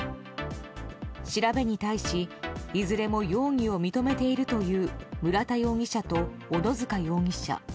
調べに対しいずれも容疑を認めているという村田容疑者と小野塚容疑者。